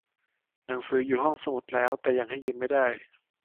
หนังสืออยู่ห้องสมุดแล้ว แต่ยังให้ยืมไม่ได้